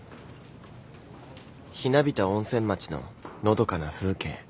ひなびた温泉町ののどかな風景。